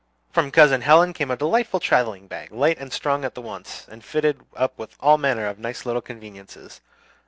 From Cousin Helen came a delightful travelling bag, light and strong at once, and fitted up with all manner of nice little conveniences.